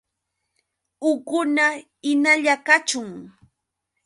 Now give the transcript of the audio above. ¡Uqukuna hinalla kachun!